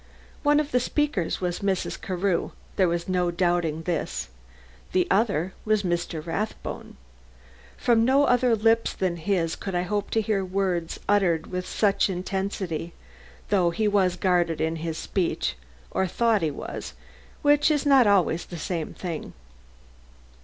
One of the speakers was Mrs. Carew there was no doubting this the other was Mr. Rathbone. From no other lips than his could I hope to hear words uttered with such intensity, though he was guarded in his speech, or thought he was, which is not always the same thing.